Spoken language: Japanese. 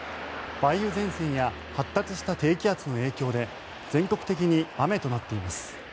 梅雨前線や発達した低気圧の影響で全国的に雨となっています。